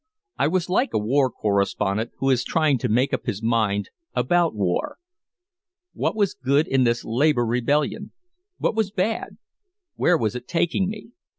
I was like a war correspondent who is trying to make up his mind about war. What was good in this labor rebellion? What was bad? Where was it taking me?